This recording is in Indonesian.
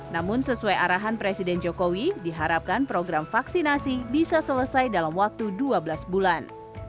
namun sesuai arahan presiden jokowi diharapkan program vaksinasi bisa selesai dalam waktu dua belas bulan